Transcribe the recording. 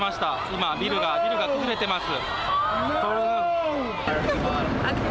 今ビルがビルが崩れてます」。